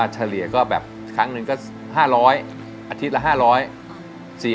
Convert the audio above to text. น่าจะเฉลี่ยก็แบบครั้งหนึ่งก็๕๐๐อาทิตย์อาทิตย์ละ๕๐๐